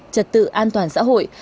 trật tự an toàn xã hội